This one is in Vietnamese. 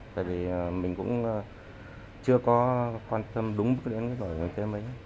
tại vì mình cũng chưa có quan tâm đúng bước đến đổi hướng thêm ấy